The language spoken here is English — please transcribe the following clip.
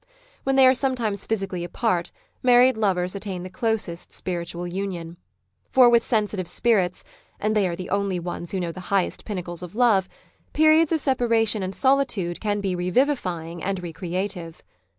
When they are sometimes physically apart married lovers attain the closest spiritual union. For with sensitive spirits — and they are the only ones who know the highest pinnacles of love — periods of separation and solitude can be revivifying and re creative.